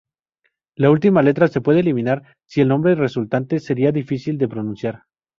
La última letra se puede eliminar si el nombre resultante sería difícil de pronunciar.